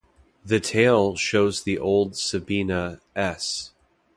The tail shows the old Sabena "S".